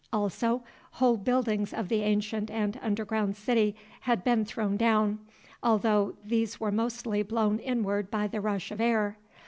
Also, whole buildings of the ancient and underground city had been thrown down, although these were mostly blown inward by the rush of air.